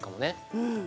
うん。